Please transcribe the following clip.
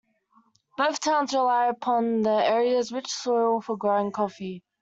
Both towns rely upon the area's rich soil for growing coffee.